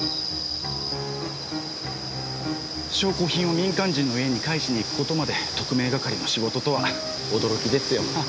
証拠品を民間人の家に返しに行くことまで特命係の仕事とは驚きですよ。